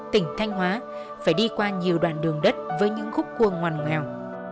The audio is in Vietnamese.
tỉnh thanh hóa phải đi qua nhiều đoạn đường đất với những khúc cuồng hoàng hoàng